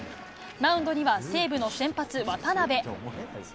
マウンドには西武の先発、渡邉。